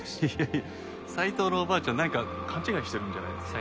いや斉藤のおばあちゃんなんか勘違いしてるんじゃないですか？